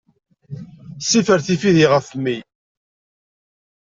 Sifer tifidi ɣef mmi.